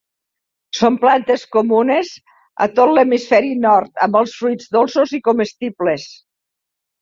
Són plantes comunes a tot l'hemisferi nord, amb els fruits dolços i comestibles.